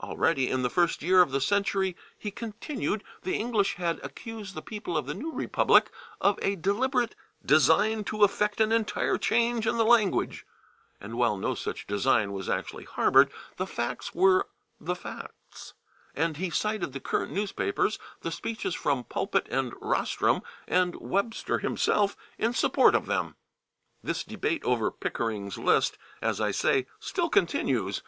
Already in the first year of the century, he continued, the English had accused the people of the new republic of a deliberate "design to effect an entire change in the language" and while no such design was actually harbored, the facts were the facts, and he cited the current newspapers, the speeches from pulpit and rostrum, and Webster himself in support of them. This debate over Pickering's list, as I say, still continues.